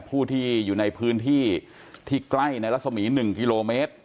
ผู้ที่อยู่ในพื้นที่ที่ใกล้ในรัศมี๑กิโลเมตร